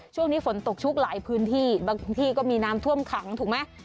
ช่วงนี้ฝนตกชุกหลายพื้นที่บางที่ก็มีน้ำท่วมขังถูกไหม